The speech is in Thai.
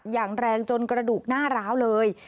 อย่างแรงจนกระดูกหน้าร้าวเลย